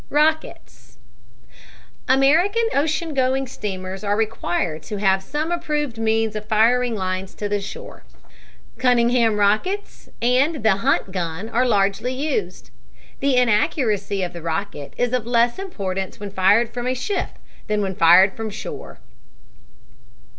ROCKETS American ocean going steamers are required to have some approved means of firing lines to the shore. Cunningham rockets and the Hunt gun are largely used. The inaccuracy of the rocket is of less importance when fired from a ship than when fired from shore.